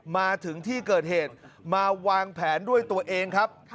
มาถึงที่เกิดเหตุมาวางแผนด้วยตัวเองครับ